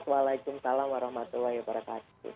waalaikumsalam warahmatullahi wabarakatuh